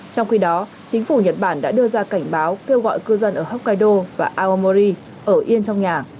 trong khi đó chính phủ nhật bản đã đưa ra cảnh báo kêu gọi cư dân ở hokkaido và aomori ở yên trong nhà